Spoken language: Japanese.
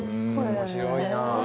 面白いな。